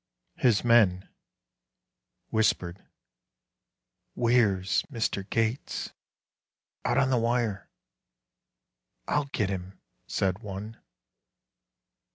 His men Whispered: "Where's Mister Gates?" "Out on the wire." "I'll get him," said one....